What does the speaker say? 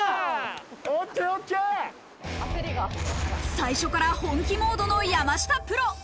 最初から本気モードの山下プロ。